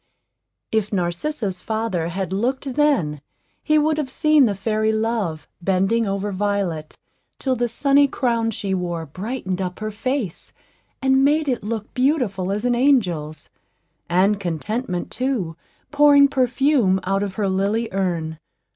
If Narcissa's father had looked then, he would have seen the fairy Love bending over Violet till the sunny crown she wore brightened up her face, and made it look beautiful as an angel's, and Contentment, too, pouring perfume out of her lily urn.